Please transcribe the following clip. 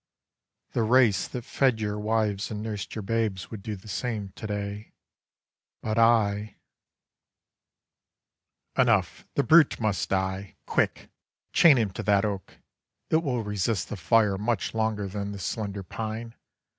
The race that fed Your wives and nursed your babes would do the same To day, but I Enough, the brute must die! Quick! Chain him to that oak! It will resist The fire much longer than this slender pine.